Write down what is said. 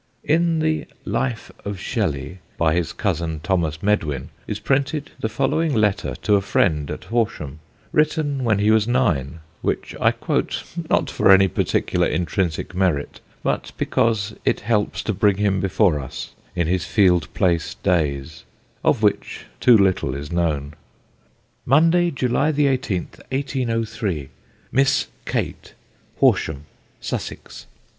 In the Life of Shelley by his cousin Thomas Medwin is printed the following letter to a friend at Horsham, written when he was nine, which I quote not for any particular intrinsic merit, but because it helps to bring him before us in his Field Place days, of which too little is known: "Monday, July 18, 1803. "MISS KATE, "HORSHAM, "SUSSEX.